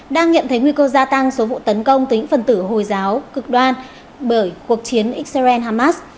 đang nhận thấy nguy cơ gia tăng số vụ tấn công tính phần tử hồi giáo cực đoan bởi cuộc chiến israel hamas